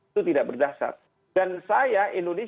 itu tidak berdasar dan saya indonesia